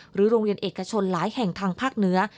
โรงเรียนเอกชนหลายแห่งทางภาคเหนือ